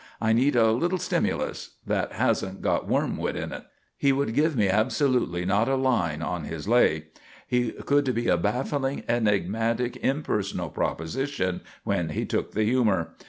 I need a little stimulus that hasn't got wormwood in it." He would give me absolutely not a line on his "lay." He could be a baffling, enigmatic, impersonal proposition when he took the humour.